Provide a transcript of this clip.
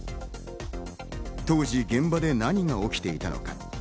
当時、現場で何が起きていたのか。